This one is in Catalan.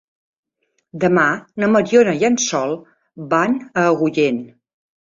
Demà na Mariona i en Sol van a Agullent.